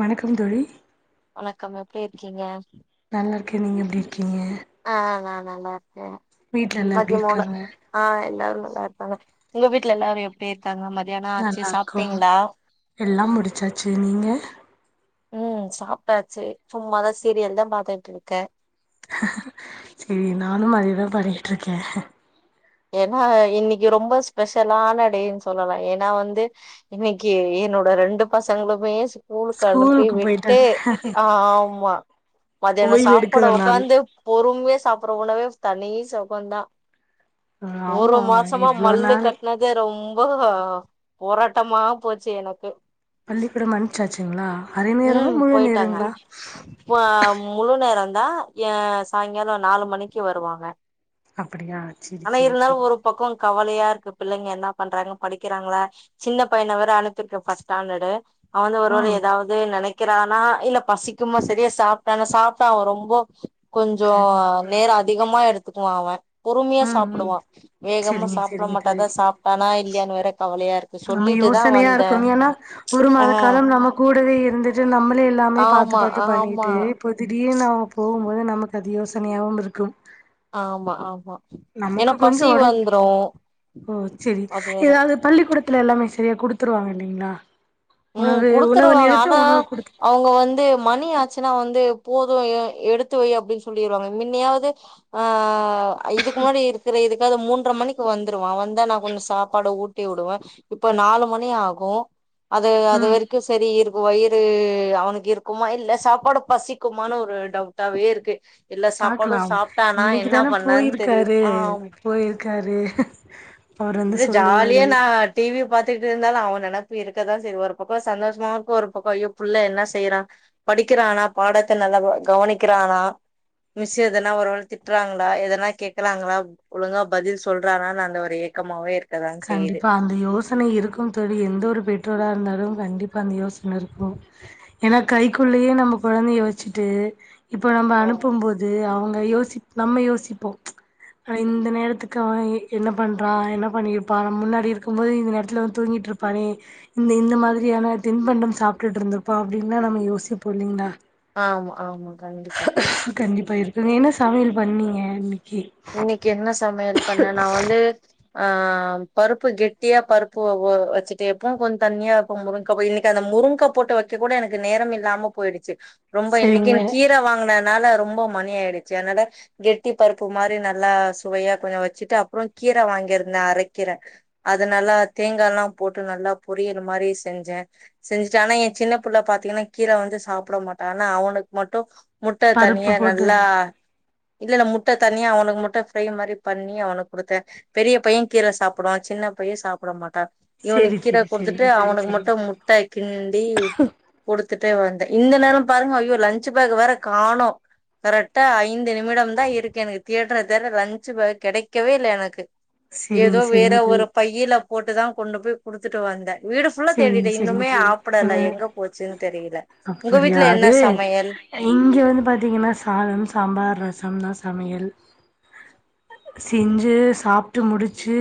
வணக்கம் தோழி வணக்கம் எப்டி இருக்கீங்க நல்லா இருக்கே நீங்க எப்டி இருக்கீங்க ஆ நா நல்லா இருக்கே வீட்ல எல்லா எப்டி மதிய மூணு இருக்காங்க ஆ எல்லாரு நல்லா இருக்காங்க உங்க வீட்ல எல்லாரு எப்டி இருக்காங்க மதியான ஆச்சு சாப்ட்டீங்களா எல்லா முடுச்சாச்சு நீங்க ம் சாப்ட்டாச்சு சும்மாதா சீரியல் தா பாத்துட்டு இருக்கே சேரி நானும் அதே தா பண்ணிகிட்டு இருக்கே ஏனா இன்னிக்கி ரொம்ப ஸ்பெஷலான டேன் சொல்லலா ஏனா வந்து இன்னிக்கு என்னோட ரெண்டு பசங்களுமே ஸ்கூலுக்கு அனுப்பி விட்டு ஆமா மத்தியானோ ஓய்வு சாப்பாட எடுக்கிற நாள் ஒக்காந்து பொறுமையா சாப்பர்ற உணவே தனி சுகந்தா ஒரு ஆமா ஆமா மாசமா இவ்ளோ மல்லு நாள் கட்னது ரொம்ப போராட்டம்மா போச்சு எனக்கு பள்ளிக்கூடம் அணுச்சாச்சுங்ளா அரை நேரமா முழு நேரங்ளா இப்ப முழு நேரந்தா ஏ சாயிங்காலே நாலு மணிக்கு வருவாங்க அப்படியா அ னா இருந்தாலு ஒரு பாக்கோ கவலையா இருக்கு பிள்ளைங்க என்ன பண்றாங்க படிக்கறாங்களா சின்ன பையன வேற அனுப்பிருக்கே ஃபர்ஸ்ட் ஸ்டண்டர்டு அவ வந்து ஒருவ ம் எதாவ் து நெனைக்கற ஆனா இல்ல பசிக்குமா செரியா சாப்ட்டானா சாப்ட்டா அவ ரொம்போ கொஞ்சோ கண்டிப்பா நேரோ அதிகமா எடுத்துக்குவா அவ பொறுமையா ம் ம் சாப்புடுவா வேகமா செரிங்க சாப்பட செரிங்க மாட்டா தோழி அதா சாப்ட்டானா இல்லையான் வேற கவலையா இருக் நம்ம யோசனையா இருக்க ஏன்னா ஒரு ஆ மாத காலம் நம்ம கூடவே இருந்துட்டு நம்மளே எல்லாமே பாத்து ஆமா பா த்து ஆமா பண்ணீட்டு இப்ப திடீர்ன்னு அவ போவும்போது நமக்கு அது யோசனையாவும் இருக்கும் ஆமா ஆமா நமக்கு ஏன்னா கொஞ்சோ பசி ஒடம் வந்துரு ஓ செரி அது வேற எதாவது பள்ளிக்குடத்துல எல்லாமே செரியா குடுத்துருவாங்க இல்லிங்ளா ம் உணவு உணவு குடுத்துருவாங்க நேரத்துல ஆனா உணவு குடுத் அவங்க வந்து மணியாச்சுனா வந்து போது எ எடுத்து வை அப்டின் சொல்லிருவாங்க மின்னயாவது ஆ இதுக்கு முன்னாடி இருக்குற இதுக் [unintelligible] மூன்ற மணிக்கு வந்துருவா வந்தா நா கொஞ்ச சாப்பாடு ஊட்டி உடுவ இப்ப நாலு மணி ஆகு அது அது ம் வரைக்கு செரி இருக்கு வயிறு அவனுக்கு இருக்குமா இல்ல சாப்பாடு பசிக்குமான்னு ஒரு டவுட்டாவே இருக்கு இல்ல சாப்பாடு பாக்லாம் சாப்ட்டானா என்ன இன்னிக்குதான பண்ணான்னு தெரியு போயிருக்காரு ஆ போயிருக்காரு அவர் வந்து இது ஜாலிய சொல்லுவாரு நா டி வி பாத்துட்டு இருந்தாலு அவ நெனப்பு இருக்கதா செய்து ஒரு பக்கோ சந்தோஷமாவு இருக்கு ஒரு பக்கோ ஐயோ புள்ள என்ன செய்யறா படிக்கறானா பாடத்த நல்ல க கவனிக்கறானா மிஸ்ஸு எதனா ஒரு வேல திட்டறாங்களா எதனா கேக்கறாங்களா ஒழுங்கா பதில் சொல்றானான் அந்த ஒரு ஏக்கமாவே இ கண்டிப்பா யோசனை இருக்கு தோழி எந்த ஒரு பெற்றோரா இருந்தாலு கண்டிப்பா அந்த யோசன இருக்கு எனா கைக்குள்ளயே நம்ம கொழந்தைய வச்சுட்டு இப்போ நம்ப அனுப்பும்போது அவங்க யோசி நம்ம யோசிப்போ அனா இந்த நேரத்துக்கு அவ என்ன பண்றா என்ன பண்ணி ப்பா நம் முன்னாடி இருக்கும்போது இந்த நேரத்துல வந்து தூங்கிட்ருப்பானே இந்த இந்த மாதிரியான தின்பண்டம் சாப்ட்டுட்ருந்துருப்பா அப்டின்லா நம்ம யோசிப்போ இல்லிங்ளா ஆமா ஆமா கண்டிப்பா கண்டிப்பா இருக்கு என்ன சமையல் பண்ணீங்க இன்னக்கி இன்னிக் என்ன சமையல் பண்ண நா வந்து ஆ பருப்பு கெட்டியா பருப்பு உ வெச்சிட்டே இருப்போ கொஞ்ச தண்ணியா இப்ப முருங்கா [unintelligible] இன்னைக்கு அந்த முருங்கா போட்டு வெக்க கூட எனக்கு நேரம் இல்லாம போயிடுச்சு ரொம்ப சரிங்க. இன்னிகின் கீர வாங்கனனால ரொம்ப மணி ஆயிடுச்சு அதனால கெட்டி பருப் பு மாரி நல்லா சுவையா கொஞ்ச வெச்சுட்டு அப்பறோ கீர வாங்கியிருந்தே அரக்கீர அது நல்லா தேங்காலா போட்டு நல்லா பொரியல் மாரி செஞ்சே செஞ்சிட்ட அன ஏ சின்ன பிள்ள பாத்திங்கன்னா கீர வந்து சாப்பட மாட்டா அனா அவனுக் மட்டு முட்ட பருப்பு தனியா போட்டு நல்லா இல்லன முட் முட்ட தனியா அவனுக்கு மட்டு ஃப்ரை மாரி பண்ணி அவனுக்கு குடுத்தே பெரிய பையே கீர சாப்பிடுவா சின்ன பையே சாப்பிட மாட்டான் சரி இவனுக்கு கீர சரி குடுத்துட்டு சரிங்க தோழி அவனுக்கு சரிங்க மட்டும் தோழி. முட்ட கிண்டி குடுத்துட்டே வந்தே இந்த நேரோ பாருங்க ஐயோ லஞ்ச் பேக் வேற காணோ கரெக்டா ஐந்துநிமிடம் தா இருக்கு எனக்கு தேடறே தோட லஞ்சு பேக் கெடைக்கவே இல்ல எனக்கு செரிங்க ஏதோ வேற செரிங்க ஒரு தோழி பையில போட்டுதா கொண்டு போய் குடுத்துட்டு வந்தே வீடு ஃபுல்லா செரிங்க தேடிட்டே செரிங்க இன்னுமே தோழி ஆம்புடல ஆ எங்க போச்சுன்னு தெரியல உங்க அப்படியா வீட்டுல என்ன அது சமையல் இங்க வந்து பாத்தீங்கன்னா சாதம் சாம்பார் ரசம் தா சமையல் செஞ்சு சாப்பிட்டு முடிச்சு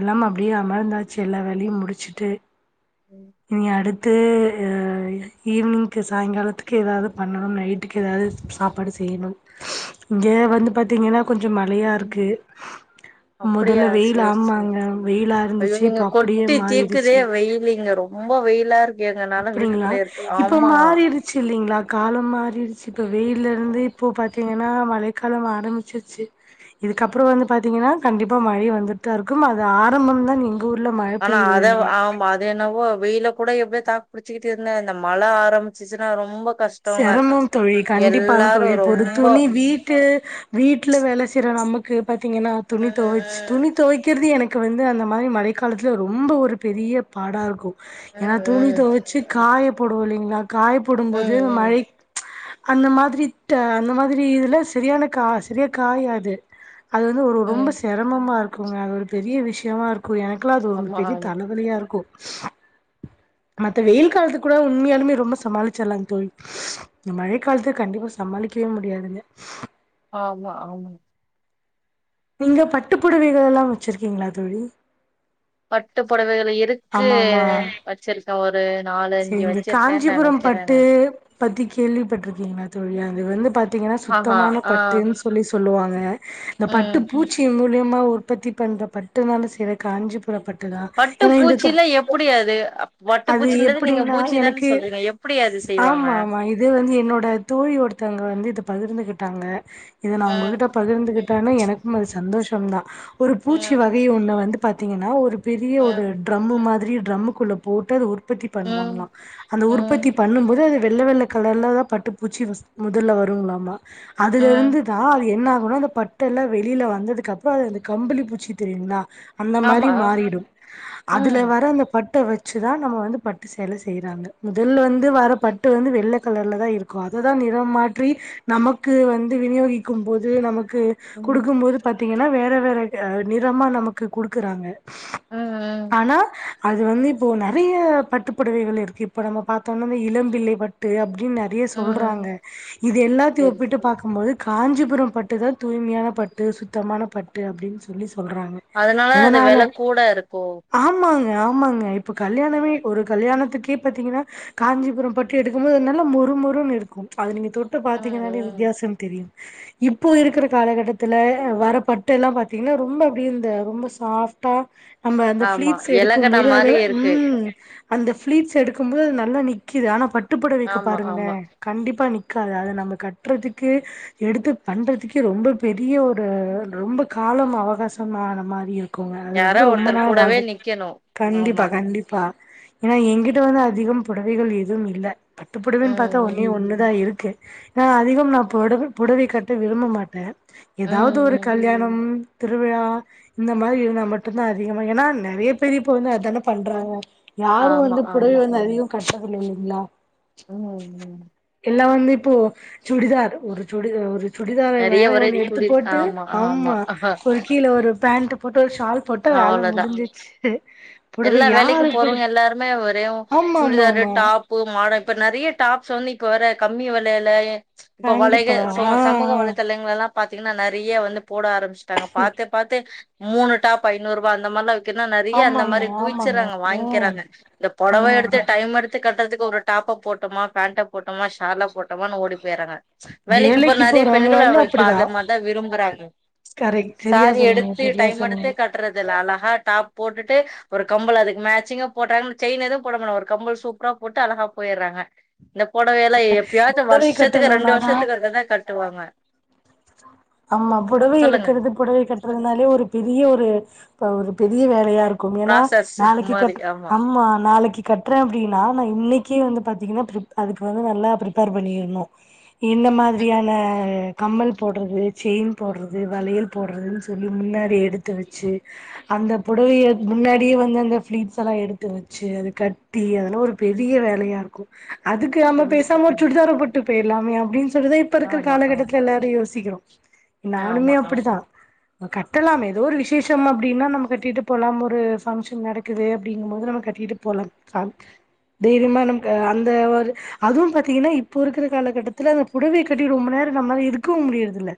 எல்லாம் அப்டியே அமர்ந்தாச்சு எல்லா வேலையும் முடிச்சுட்டு ம் இனி அடுத்து ஈவினிங்க்கு சாயங்காலத்துக்கு எதாது பண்ணணும் நைட்டுக்கு எதாது சாப்பாடு செய்யணும் இங்க வந்து பாத்தீங்கன்னா கொஞ்சம் மழையா ம் இருக்கு அப்படியா மொதல வெயில் சேரி சேரி ஆமாங்க வெயிலா ஐயோ இருந்துச்சு இங்க இப்ப அப்டியே கொட்டி தீக்குதே மாறிடுச்சு வெயில் இங்க ரொம்ப வெயிலா இருக்கு அதனால வீட்டுக்குள்ளயே இருக்கு ஆமா ச்சு இல்லைங்களா காலம் மாறிடுச்சு இப்ப வெயில இருந்து இப்போ பாத்து பாத்தீங்கன்னா மழைக்காலம் ஆரம்பிச்சிருச்சு இதுக்கப்றோ வந்து பாத்தீங்கன்னா கண்டிப்பா மழை வந்துட்டு தா இருக்கும் அது ஆரம்பம் தா நீங்க ஊர்ல மழ ஆனா பெய்யுது ஆமா அத என்னவோ வெயில கூட எப்டியே தாக்கு பிடிச்சிட்டு இருந்தே இந்த மழ ஆரம்பிச்சுச்சுன்னா ரொம்ப கஷ்டோங்க செரமம் தோழி கண்டிப்பான எல்லாரு தோழி இப்போ ஒரு ரொம்ப துணி வீட் ட்டு வீட்டுல வேல செய்யுற நமக்கு பாத்தீங்கன்னா துணி துவைச்சு ம் துணி தொவைக்கிறது எனக்கு வந்து அந்த மாரி மழைக்காலத்தில ரொம்ப ஒரு பெரிய பாடா இருக்கும் ஏன்னா துணி ம் தொவச்சி காய போடுவோ இல்லைங்களா காய ம் போடும்போது ம் மழை அந்த மாதிரி அந்த மாதிரி இதுல சரியான காய் சரியா காயாது அது வந்து ஒரு ம் ரொம்ப ம் செரம்மா இருக்குங்க அது ஒரு பெரிய விஷயமா இருக் எனக்கெல்லா அது ஆமா பெரிய தலவலியா இருக்கும் மத்த வெயில் காலத்துக்கு கூட உண்மையாலுமே ரொம்ப சமாளிச்சிடலாங்க தோழி இந்த மழைக்காலத்த கண்டிப்பா சமாளிக்கவே முடியாதுங்க ஆமா ஆமா நீங்க பட்டுப்புடவைகள் எல்லாம் வச்சுருக்கிங்களா தோழி பட்டு புடவைகள் இருக்கு ஆமா ஆமா வச்சிருக் ஒரு நாலு அஞ்சு சரிங்க வச்சிருக்கேன் காஞ்சிபுரம் நெனைக்கிறே பட்டு நான் பத்தி கேள்விப்பட்டிருக்கீங்களா தோழி அது வந்து பாத்தீங்கன்னா ஆஹா சுத்தமான ஆ பட்டுன்னு சொல்லி சொல்லுவாங்க இந்த ம் பட்டு பூச் ச்சி மூலியமா உற்பத்தி பண்ற பட்டுநாள செய்ற காஞ்சிபுரபட்டு பட்டு ஏன்னா இந்த பூச்சில எப்டி அது பட்டு அது பூச்சின்றது நீங்க எப்டின்னா பூச்சி தான எனக்கு சொல்றீங்க எப்டி அது செய்வாங்க ஆமா ஆமா இது வந்து என்னோட தோழி ஒருத்தர்வங்க வந்து இத பகிர்ந்துகிட்டாங்க இது நா ம் உங்ககிட்ட பகிர்ந்துகிட்டான எனக்கும் அது சந்தோஷம் தா ஒரு பூச்சி ம் வகை ஒண்ணு வந்து பாத்தீங்கன்னா ஒரு பெரிய ஒரு ம் ட்ரம்மு மாதிரி டிரம்முக்குள்ள போட்டு அது உற்பத்தி உற்பத்தி ம் பண்ணுவாங்களாம் அந்த ம் உற்பத்தி பண்ணும்போது அது வெள்ள வெள்ள கலர்ல தா பட்டு பூச்சி மொதல்ல வருங்களாமா அதுல ம் இருந்து தா அது என்ன ஆகுன்னா அந்த பட்டு ட்டு எல்லாம் வெளியில வந்ததுக்கு அப்பறோ அது அந்த கம்பளி பூச்சி தெரியுங்களா அந்த மாரி ஆமா மாறிடு அதுல ம் வர அந்த பட்டு வெச்சுதா நம்ம வந்து பட் டு சேல செய்யிறாங்க முதல்ல வந்து வர பட்டு வந்து வெள்ள கலர்ல தா இருக்கு அததா நிறம் மாற்றி நமக்கு வந்து விநியோகிக்கும் போது நமக்கு ம் குடுக்கும் போது பாத்தீங்கனா வேற வேற நிறமா நமக்கு குடுக்குறாங்க ம் ஆனா அது வந்து இப்போ நெறைய பட்டு புடவைகள் இருக்கு இப்ப நம்ம பாத்தோனா இளம்பிள்ளை பட்டு அப்டின்னு நெய ம் சொல்றாங்க இது எல்லாத்தையு செரி ஒப்பிட்டு செரி பாக்கும்போது காஞ்சிபுரம் பட்டு தா தூய்மையான பட்டு சுத்தமான பட்டு அப்டின்னு சொல்லி சொல்றாங்க அதனாலதா அது வில எதனால கூட இருக்கு ஆமாங்க ஆமாங்க இப்ப கல்யாணமே ஒரு கல்யாணத்துக்கே பாத்தீங்கனா காஞ்சிபுரம் பட்டி எடுக்கும்போது நல்லா மொறுமரு இருக்கு அது நீங்க தொட்டு பாத்தீங்கனாலே ம் வித்தியாசம் தெரியு இப்போ இருக்கிற காலகட்டத்துல வரப்பட்டு எல்லா பாத்தீங்கனா ரொம்ப அப்டி இந்த ரொம்ப சாஃப் டா நம்ம அந்த ஆமா பளீட்ஸ் எடுக்கும் எலகன போது அத மாரி இருக்கு உம் அந்த பிளீட்ஸ் எடுக்கும் போது அது நல்லா நிக்குது ஆனா பட்டுப்புடவைக்க ஆமா பாருங்களே ஆமா கண்டிப்பா நிக்காது அத நம்ம கட்றதுக்கு எடுத்து பண்றதுக்கே ரொம்ப பெரிய ஒரு ரொம்ப காலம் அவகாசம் ஆன மாரி இருக்கு இருங்க அது யாரோ வந்து ரொம்ப ஒருத்தர் நாள் கூடவே ஆகு நிக்கணோ கண்டிப்பா ஆமா கண்டிப்பா ஏனா ஏங்கிட்ட வந்து அதிகம் புடவைகள் எதுவு இல்ல பட்டுப்புடவைன் பாத்தா ம் ஒன்னே ஒன்னுதா இருக்கு நா அதிகம் நா புட புடவை கட்ட விரும்ப மாட்டே ஏதாவது ம் ஒரு ம் கல்யாணம் திருவிழா இந்த மாதி இருந்தா மட்டுதா அதிகமா ஏனா நெறைய பேர் இப்ப வந்து அததானே பண்றாங்க யாரு ஆமா வந்து புடவை ஆமா வந்து அதிகம் கஷ்டப்பட்டு [unintelligible] உம் உம் எல்லா வந்து இப்போ சுடிதார் ஒரு சுடிதா ஒரு சுடிதார நெறைய வேற ஒரே ஒன்னு எடுத்து சுடி போட்டு ஆமா ஆமா ஆம்மா ஒரு கீழே ஒரு பேண்ட்ட போட்டு ஒரு ஷால் போட்டா வேல அவ்ளோதா முடிஞ்சிச்சு புடுவை யாருடு மே வரேவு சுடிதார் டாப் மாடல் இப்ப நெறைய டாப்ஸ் வந்து இப்ப வர கம்மி வெலல இப்ப வளைக கண்டிப்பா ச ஆ சமூக ஆ வள தளங்ளல்லா பாத்தீங்கனா நெறைய வந்து போட ஆரம்பிச்சட்டாங்க பாத்து பாத்து மூணு டாப் ஐந்நூர்பா அந்த மார்லா ன்னா நெறைய அந்த ஆமாங்க மாரி ஆமாங்க குவிச்சறாங்க ம் வாயிங்க்கறாங்க இந்த புடவ ஆமா எடுத்து டைம் எடுத்து த்து கட்டுறதுக்கு ஒரு டாப்ப போட்டோமா பேண்ட போட்டோமா ஷால்ல போட்டமானு ஓடி போயறாங்க வேலைக்கு போற நெறைய பெண்கள் போறவங்களால அவ இப்ப அப்படிதா அத மார்தா விரும்றாங்க கரெக்ட் சரியா சாரி சொன்னீங்க எடுத்து சரியா டைம் எடுத்த சொன்னீங்க கட்டுறத இல்ல அழகா டாப் போட்டுட்டு ஒரு கம்பல் அதுக் மேச்சிங்கா போடறாங்கன்னு செயின் எதுவு போடம ஒரு கம்பல் சூப்பரா போட்டு அழகா போயறாங்க இந்த புடவைையல்லா எப்பயாவது புடவை வருஷத்துக்கு ரெண்டு கட்டணும்னாதா வருஷத்துக்கு ஒருக்கதா கட்டுவாங்க ஆம்மா புடவை சொல்லுங்க எடுக்கறது புடவை கட்டுறதுனாலே ஒரு பெரிய ஒரு அ ஒரு பெரிய வேலையா இருக்கு ஏனா ப்ராசஸ் நாளைக்கு மாரி கட்டு ஆமா ஆம்மா நாளைக்கு கட்டுறே அப்டின்னா நா இன்னைக்கே வந்து பாத்தீங்கனா அதுக்கு வந்து நல்லா பிரிப்பேர் பண்ணிருணு என்ன மாதிரியான கம்மல் போடுறது செயின் போடுறது வளையல் போடுறதுன்னு சொல்லி முன்னாடி எடுத்து வெச்சு அந்த புடவய முன்னாடியே வந்து அந்த பளீட்ஸ் எல்லா எடுத்து வெச்சு அது கட் டி அதெல்லா ஒரு பெரிய வேலையா இருக்கு அதுக்கு நம்ப கண்டிப்பா பேசாம ஒரு கண்டிப்பா சுடிதாரப்போட்டு போயிடலாமே அப்டின்னு சொல்லிதா இப்ப இருக்கற ஆமா ஆமா காலகட்டத்துல எல்லாரு யோசிக்கிறோ நானுமே ஆமா ஆமா அப்டித்தா கட்டலாமே ஏதோ ஒரு விசேஷம் அப்டின்னா நம்ம கட்டிட்டு போலாம் ஒரு ஃபங்க்ஷன் நடக்குது அப்டிங்கு போது நம்ம க ட்டிட்டு போலா தெய்ரியமா நமக்கு அந்த ஒரு அதுவு பாத்தீங்கன்னா இப்போ இருக்கிற காலகட்டத்துல அந்த புடவை கட்டி ரொம்ப நேரோ நம்மால இருக்கவு முடியறதில்ல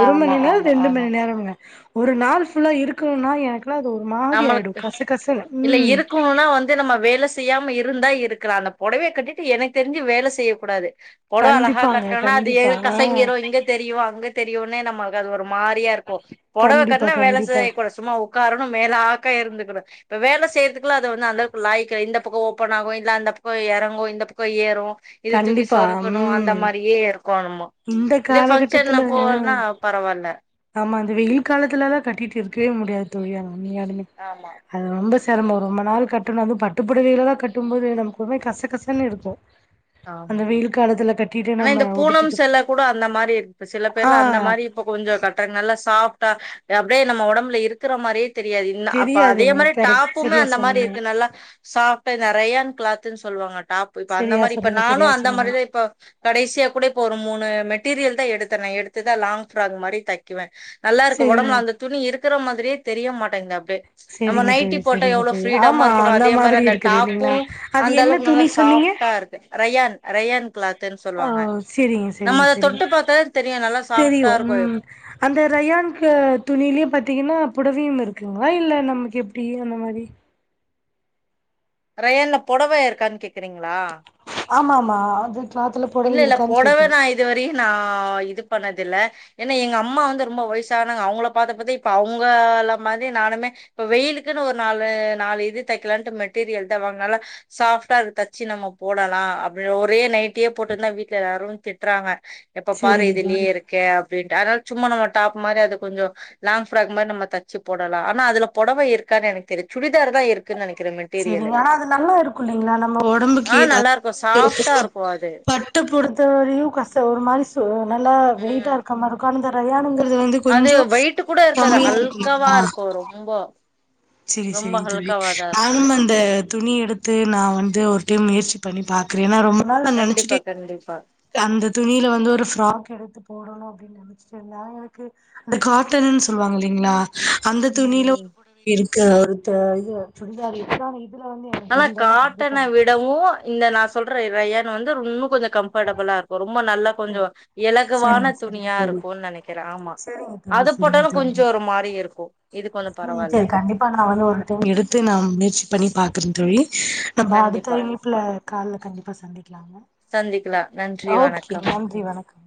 ஒரு மணி ஆமா நேரோ ஆமா ரெண்டு ஆமா மணி நேரம்ங்க ஒரு நாள் ஃபுல்லா இருக்கணும்னா எனக்கு ல்ல அது ஒரு மாதிரி நம்மளுக்கு ஆயிடு கச கசனு இல்ல ம் இருக்கணும்னா வந்து நம்ம வேல செ செய்யாம இருந்தா இருக்கலா அந்த புடவைய கட்டிட்டு எனக்கு தெரிஞ்சு வேல செய்யக்கூடாது புடவ அழகா கண்டிப்பாங்க கட்டுனம்னா அது எ கண்டிப்பா ஆ கசைங்கிரோ இங்க தெரியு அங்க தெரியுன்னே நம்மளுக்கு அது ஒரு மாரியா இருக்கு புடவ கண்டிப்பா கட்னா வேல கண்டிப்பா செய் கூடாது சும்மா உட்காரணு மேலாக்க இருந்துக்கிடு இப்ப வேல செய்யறதுக்குலா அது வந்து அந்தளவுக்கு லாயிக்க இந்த பக்கோ ஓப்பன் ஆகு இல்ல அந்த பக்கோ எறங்கு இந்த பக்கோ ஏறு இது தூக்கி கண்டிப்பா சொருகணு அந்த ம் மாரியே இருக்கோ நம்ம இந்த இதே பங்க்ஷன்ல காலகட்டத்துல ஆ போவன்னா பெரவால்ல ஆமா அந்த வெயில் காலத்துல எல்லா கட்டிட்டு இருக்கவே முடியாது தோழி உண்மையாலுமே ஆமா அது ரொம்ப செரமோ ரொம்ப நாள் கட்டணு அதுவு பட்டுப் புடவயளலா கட்டு போது நமக்கு ஒரு மாதிரி கச கசன்னு இருக்கு அந்த ஆமா வெயில் காலத்துல கட்டிட்டு ஆனா நம்ம இந்த பூனம் செல்ல கூட அந்த மாரி இரு சில பேர் ஆ அந்த மாரி இப்ப கொஞ்சோ கட்ற்றதுனால சாஃப்ட்டா அப்டியே நம்ம உடம்புல இருக்கிற மாரியே தெரியாது இன் அப்ப தெரியாது அதே மாதிரி கரெக்ட் டாப்புமே சரியா அந்த மாதிரி சொன்னீங்க இருக்கு நல்லா சாஃப்டு ரயான் கிளாத்ன்னு சொல்லுவாங்க டாப் இப்ப அந்த சரியா மாதிரி இப்ப சொன்னீங்க நானு சரியா அந்த சொன்னீங்க மாதிரிதா இப்ப கடைசியா கூட இப்போ மூனு மெட்டீரியல் தா எடுத்தே எடுத்துதா லாங்ஃப்ராக் மாரி தைக் இருக்குவே நல்லா இருக்கு சரிங்க உடம்புல அந்த துணி இருக்கிற மாதிரியே தெரிய மாட்டேங்குது நம்ம சரிங்க நைட்டி தோழி போட்டா சரிங்க எவ்ளோ தோழி ஃபிரீடமா ஆமா இருக்கணு அந்த அதே மாரி மாதிரி அந்த இருக்குது டாப்பு இல்லைங்களா அது அந்த என்ன அளவுக்கு துணி நல்லா சொன்னீங்க சாஃப்டா இருக்கு ரயான் ரயான் கிளாத் னு ஆ சொல்லுவாங்க சரிங்க நம்ம சரிங்க அத தொட்டு சரிங்க பாத்த தெரியு நல்லா தெரியு சாஃப்டா இருக்கு அது ம் அந்த ரயான் துணியிலயே பாத்தீங்கன்னா புடவையு இருக்குங்களா இல்ல நமக்கு எப்டி அந்த மாரி ரயான்ல புடவ இருக்கான்னு கேக்குறீங்களா ஆமா ஆமா அது கிளாத்துல இல்ல புடவ இல்ல இருக்கான்னு பொடவ கேக்குறே நா இதுவரையு நா இது பண்ணது இல்ல ஏன்னா எங்க அம்மா வந்து ரொம்ப வயசனாங்க அவங்கள பாத்த பாத்த இப்ப அவங்க மாதிரி நானுமே இப்ப வெயிலுக்குன்னு ஒரு நாலு நாலு இது தைக்கலாண்ட்டு மெட்டீரியல் தா வாங்கினால சாஃப்டா இருக்கு தச்சு நம்ம போடலா அப்டின்னு ஒரே நைட் நைட்டியே போட்டுருந்தா வீட்ல எல்லாரு திட்றாங்க எப்ப பாரு செரிங்க இதுலேயே தோழி இருக் கே அப்டிண்ட்டு அதனால சும்மா டாப் மாரி அது கொஞ்சோ லாங்ஃப்ராக் மாறி நம்ம தச்சு போடலா ஆனா அதுல புடவ இருக்கான்னு எனக்கு தெரிய சுடிதார் தா இருக்குன்னு நெனைக்கிறே மெட்டிரி சரிங்க ஆனா அது நல்லா இருக்கு இல்லைங்களா நம்ம உடம்புக்கு ஏத் குவாடு விட்டு பொறுத்த வரையு கச ஒரு மாரி நல்லா வெயிட்டா ம் இருக்க மாரி இருக்கு ஆனா இந்த ரயானுங்கிறது வந்து அது கொஞ்சோ வெயிட் கூட இருக்காது கம்மியா ஹல்காவா இருக்குங்களா இருக்கு ரொம்ப செரி ரொம்ப செரிங்க தோழி ஹல்காவாதா இருக்கு நானும் அந்த துணி எடுத்து நா வந்து ஒரு டைம் முயற்சி பண்ணி பாக்குறே ஏன்னா ரொம்ப நாள் நா கண்டிப்பா நெனச்சுட்டே கண்டிப்பா அந்த துணியில வந்து ஒரு ஃப்ராக் எடுத்து போடணு அப்டின்னு நெனச்ச செரி எனக்கு அந்த காட்டன்னு சொல்லுவாங்க இல்லலைங்களா அந்த ம் துணியில ஒரு ம் புடவை இருக்கு ஒரு இது சுடிதார் இருக்கா இதுல வந்து எனக்கு ஆனா இல்லன்னா கண்டிப்பா காட்டன விடவு இந்த நா சொல்ற ரயன் வந்து இன்னு கொஞ்ச கம்பஃர்டபுளா இருக்கு ரொம்ப நல்லா கொஞ்சோ இலகுவான சரிங்க சரிங்க துணியா தோழி இருக்குன் நெனைக்கிற ஆமா சரிங்க தோழி அது சரிங்க போட்டாலு கொஞ்சோ தோழி ஒரு மாரி இருக்கு இது கொஞ்ச ம் பரவால்ல செரி கண்டிப்பா நா வந்து ஒரு டைம் எடுத்து நா முயற்சி பண்ணி பாக்குறன் தோழி நம்ம அடுத்த கண்டிப்பா இணைப்புல கால்ல கண்டிப்பா சந்திக்லாங்க சந்திக்லா நன்றி ஓகே வணக்கம் நன்றி வணக்கம்